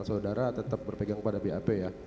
saudara tetap berpegang pada bap ya